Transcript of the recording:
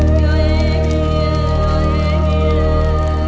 baiklah sekarang aku harus pergi